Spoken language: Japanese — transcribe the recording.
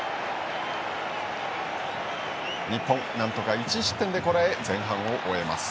日本、なんとか１失点でこらえ前半を終えます。